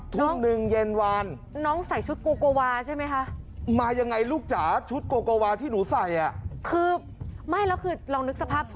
กูจะรู้สึกตกใจสงสารหรือกูจะกลัวดีครับ